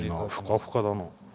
フカフカだな。